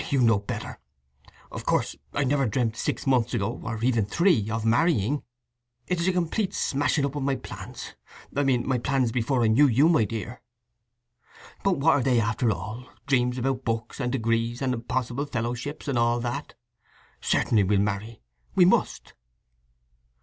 "You knew better! Of course I never dreamt six months ago, or even three, of marrying. It is a complete smashing up of my plans—I mean my plans before I knew you, my dear. But what are they, after all! Dreams about books, and degrees, and impossible fellowships, and all that. Certainly we'll marry: we must!"